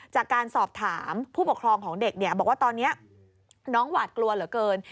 จากการสอบถามผู้ปกครองของเด็กบอกว่าตอนนี้น้องหวาดกลัวเหลือเกิน